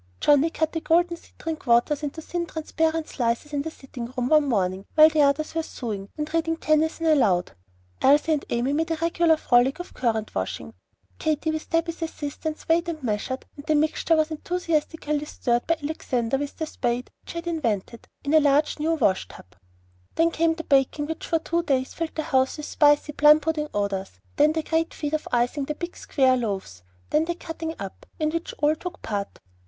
Johnnie cut the golden citron quarters into thin transparent slices in the sitting room one morning while the others were sewing, and reading Tennyson aloud. Elsie and Amy made a regular frolic of the currant washing. Katy, with Debby's assistance, weighed and measured; and the mixture was enthusiastically stirred by Alexander, with the "spade" which he had invented, in a large new wash tub. Then came the baking, which for two days filled the house with spicy, plum puddingy odors; then the great feat of icing the big square loaves; and then the cutting up, in which all took part.